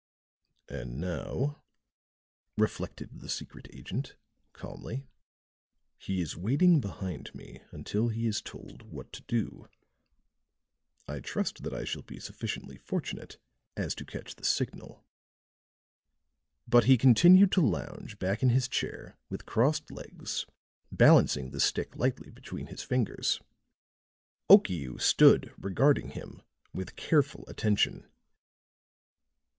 "And now," reflected the secret agent, calmly, "he is waiting behind me until he is told what to do. I trust that I shall be sufficiently fortunate as to catch the signal." But he continued to lounge back in his chair with crossed legs, balancing the stick lightly between his fingers. Okiu stood regarding him with careful attention.